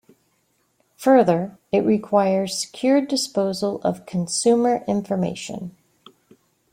Further, it requires secure disposal of consumer information.